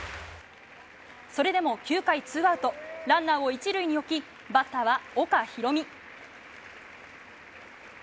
それでも９回ツーアウトランナーを１塁に置きバッターは岡大海。